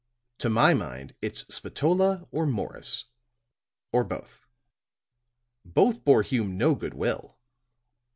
To my mind, it's Spatola or Morris, or both. Both bore Hume no good will.